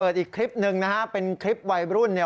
อีกคลิปหนึ่งนะฮะเป็นคลิปวัยรุ่นเนี่ย